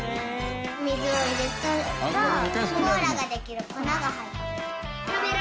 水を入れるとコーラができる粉が入ってる。